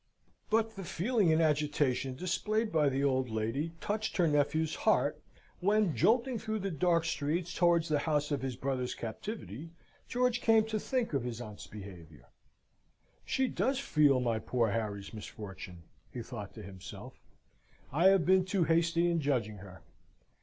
But the feeling and agitation displayed by the old lady touched her nephew's heart when, jolting through the dark streets towards the house of his brother's captivity, George came to think of his aunt's behaviour. "She does feel my poor Harry's misfortune," he thought to himself, "I have been too hasty in judging her."